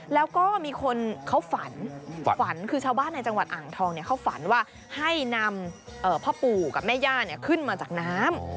แล้วก็มีคนเขาฝันฝันคือชาวบ้านในจังหวัดอ่างทองเขาฝันว่าให้นำพ่อปู่กับแม่ย่าขึ้นมาจากน้ำ